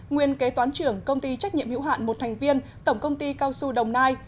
nguyên kế toán trưởng công ty trách nhiệm hữu hạn một thành viên tổng công ty cao su đồng nai